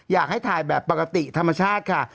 อยากให้ถ่ายแบบปกติธรรมชาติค่ะ